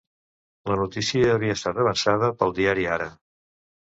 La notícia havia estat avançada pel diari Ara.